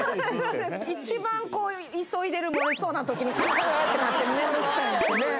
一番急いでる漏れそうな時にクルクルってなって面倒くさいんですよね。